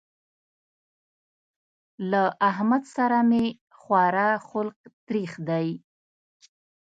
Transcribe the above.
له احمد سره مې خورا حلق تريخ دی.